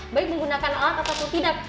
baik menggunakan alat ataupun tidak